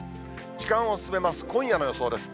時間を進めます、今夜の予想です。